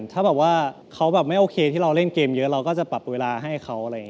ถ้าแบบว่าเขาแบบไม่โอเคที่เราเล่นเกมเยอะเราก็จะปรับเวลาให้เขาอะไรอย่างนี้